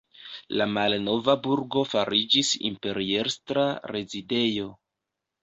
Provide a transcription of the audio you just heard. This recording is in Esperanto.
La malnova burgo fariĝis imperiestra rezidejo.